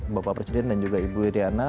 bapak presiden dan juga ibu iryana